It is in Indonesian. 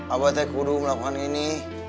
abah itu gundung melakukan ini